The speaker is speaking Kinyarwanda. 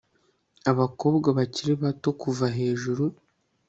abakobwa bakiri bato kuva hejuru